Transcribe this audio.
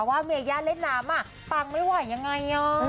ว่าเมย่าเล่นน้ำปังไม่ไหวยังไง